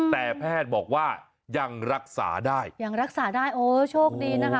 แต่แพทย์บอกว่ายังรักษาได้ยังรักษาได้โอ้โชคดีนะคะ